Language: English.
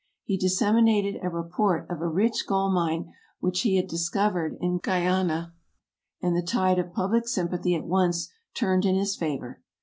he disseminated a report of a rich gold mine which he had dis covered in Guiana, and the tide of public sympathy at once turned in his favor.